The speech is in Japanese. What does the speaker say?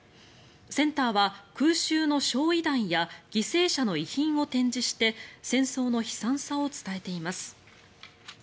センターは空襲の焼い弾や犠牲者の遺品を展示して戦争の悲惨さを伝えています。